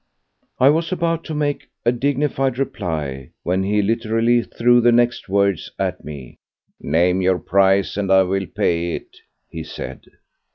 I was about to make a dignified reply when he literally threw the next words at me: "Name your price, and I will pay it!" he said.